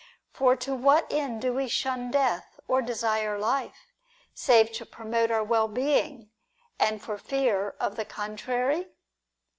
For to what end do we shun death, or desire life, save to promote our well being, and for fear of the contrary